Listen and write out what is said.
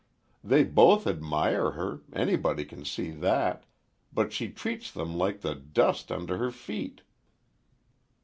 They both admire her—anybody can see that, but she treats them like the dust under her feet."